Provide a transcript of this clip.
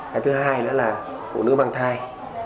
cái thứ hai nữa là phụ nữ băng thai